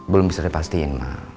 belum bisa dipastiin ma